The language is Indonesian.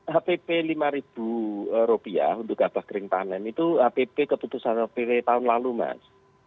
hpp rp lima untuk gabah kering panen itu hpp keputusan hpp tahun lalu mas